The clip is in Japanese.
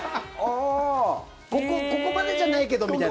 ここまでじゃないけどみたいな。